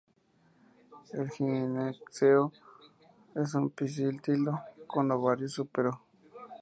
El gineceo es un pistilo con ovario súpero.